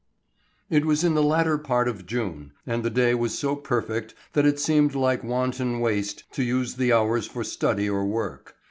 IT was in the latter part of June, and the day was so perfect that it seemed like wanton waste to use the hours for study or work.